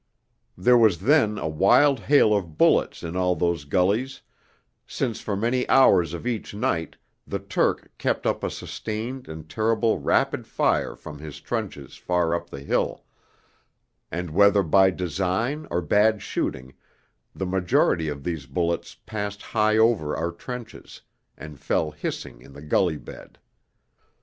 There was then a wild hail of bullets in all those gullies, since for many hours of each night the Turk kept up a sustained and terrible rapid fire from his trenches far up the hill, and, whether by design or bad shooting, the majority of these bullets passed high over our trenches, and fell hissing in the gully bed.